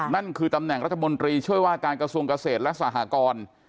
นั่นคือตำแหน่งรัฐมนตรีช่วยว่าการกระทรวงเกษตรและสหกร